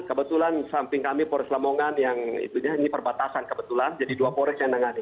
kebetulan samping kami pores lamongan yang itu ini perbatasan kebetulan jadi dua pores yang dengannya